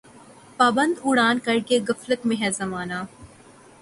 پابند اڑان کر کے غفلت میں ہے زمانہ